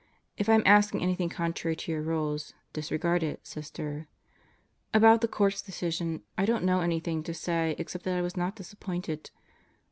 If I am asking anything contrary to your Rules, disregard it, Sister. About the Court's decision I don't know anything to say except that I was not disappointed.